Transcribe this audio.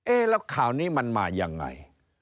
แล้วข่าวนี้มันมายังไง